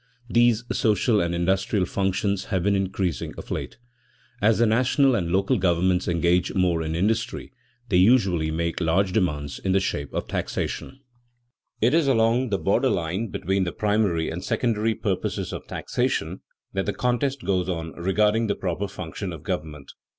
These social and industrial functions have been increasing of late. As the national and local governments engage more in industry, they usually make larger demands in the shape of taxation. [Sidenote: The sphere of the state expands] It is along the border line between the primary and the secondary purposes of taxation that the contest goes on regarding the proper functions of government.